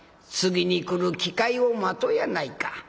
次に来る機会を待とうやないか。